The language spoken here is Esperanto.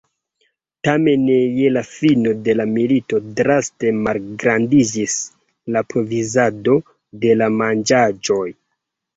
Tamen je la fino de la milito draste malgrandiĝis la provizado de la manĝaĵoj.